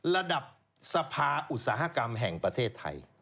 ระดับสภาอุตสาหกรรมแห่งประเทศไทย